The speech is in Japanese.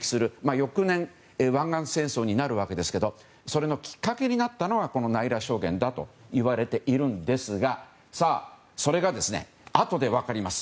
翌年、湾岸戦争になるわけですがそのきっかけになったのがナイラ証言だといわれているんですがそれが、あとで分かります。